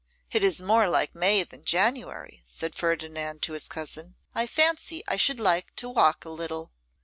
'It is more like May than January,' said Ferdinand to his cousin. 'I fancy I should like to walk a little.